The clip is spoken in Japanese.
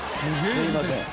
すいません。